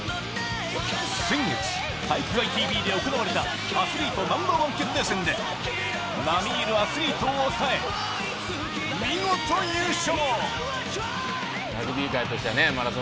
先月、「体育会ＴＶ」で行われたアスリートＮｏ．１決定戦で並みいるアスリートを抑え、見事優勝。